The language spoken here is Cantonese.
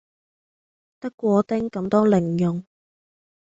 得果丁咁多零用